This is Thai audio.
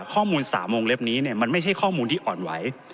ข้อมูล๓วงเล็บนี้มันไม่ใช่ข้อมูลที่อ่อนไหว